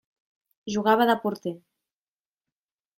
Jugava de porter.